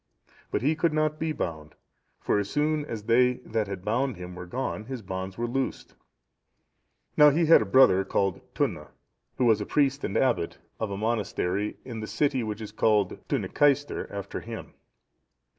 But he could not be bound, for as soon as they that bound him were gone, his bonds were loosed. Now he had a brother called Tunna, who was a priest and abbot of a monastery in the city which is still called Tunnacaestir after him.